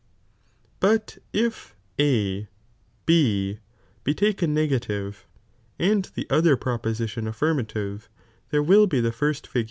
But if A B be taken negative, and the other proposition affirmative, there will be the first mifv"'il!'